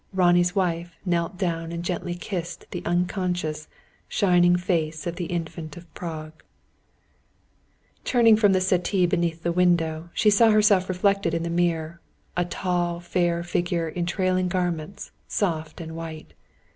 Ronnie's wife knelt down and gently kissed the unconscious, shining face of the Infant of Prague. Turning from the settee beneath the window, she saw herself reflected in the mirror a tall fair figure in trailing garments, soft and white.